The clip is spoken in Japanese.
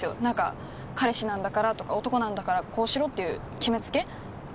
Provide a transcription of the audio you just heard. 何か彼氏なんだからとか男なんだからこうしろっていう決めつけ？